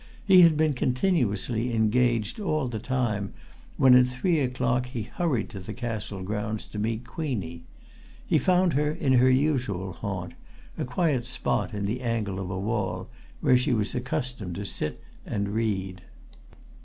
He had been continuously engaged all the time when at three o'clock he hurried to the Castle Grounds to meet Queenie. He found her in her usual haunt, a quiet spot in the angle of a wall, where she was accustomed to sit and read.